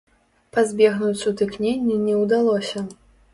Пазбегнуць сутыкнення не ўдалося.